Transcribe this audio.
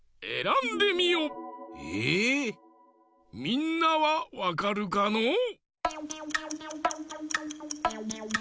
みんなはわかるかのう？